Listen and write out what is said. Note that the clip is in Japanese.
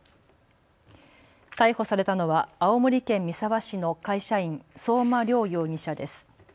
逮捕されたのは青森県三沢市の会社員、相馬諒容疑者です。